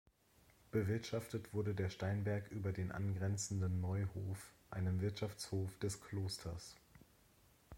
Bewirtschaftet wurde der Steinberg über den angrenzenden Neuhof, einem Wirtschaftshof des Klosters.